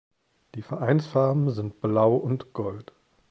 Die Vereinsfarben sind Blau und Gold.